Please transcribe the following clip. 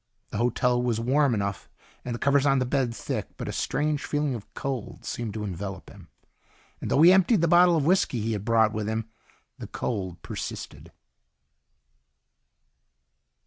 The hotel was warm enough, and the covers on the bed thick, but a strange feeling of cold seemed to envelop him. And though he emptied the bottle of whisky he had brought with him, the cold persisted.